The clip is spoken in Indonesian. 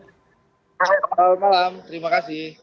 selamat malam terima kasih